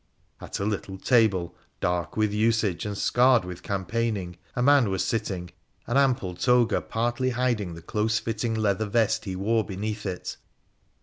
At a little table, dark with usage and scarred with campaigning, a man was sitting, an ample toga partly hiding the close fitting leather vest he wore beneath it.